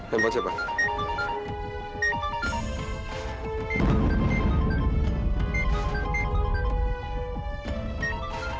yuk nyanyi sayang